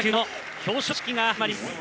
表彰式が始まります。